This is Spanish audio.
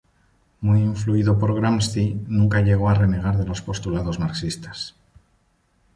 Muy influido por Gramsci, nunca llegó a renegar de los postulados marxistas.